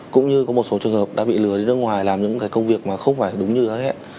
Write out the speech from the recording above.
cũng như có một số trường hợp đã bị lừa đến nước ngoài làm những công việc không phải đúng như hết